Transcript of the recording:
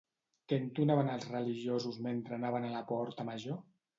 Què entonaven els religiosos mentre anaven a la porta major?